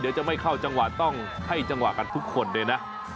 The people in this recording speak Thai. จะไม่เข้าจังหวะต้องให้จังหวะกันทุกคนเลยนะ